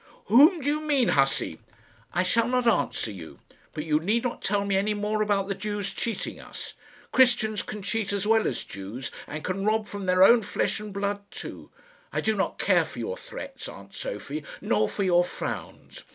"Whom do you mean, hussey?" "I shall not answer you; but you need not tell me any more about the Jews cheating us. Christians can cheat as well as Jews, and can rob from their own flesh and blood too. I do not care for your threats, aunt Sophie, nor for your frowns.